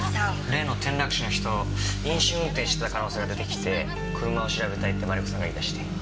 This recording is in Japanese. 例の転落死の人飲酒運転してた可能性が出てきて車を調べたいってマリコさんが言い出して。